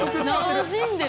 なじんでる。